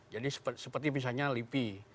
jadi seperti misalnya lipi